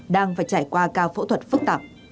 đang phải trải qua cao phẫu thuật phức tạp